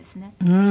うん。